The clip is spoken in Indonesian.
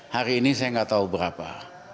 hari ini saya nggak tahu berapa